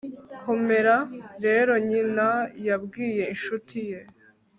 komera rero, nyina yabwiye inshuti ye